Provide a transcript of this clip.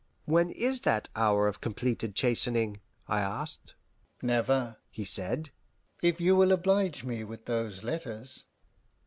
"When is that hour of completed chastening?" I asked. "Never," he said, "if you will oblige me with those letters."